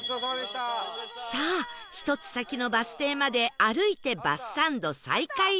さあ１つ先のバス停まで歩いてバスサンド再開です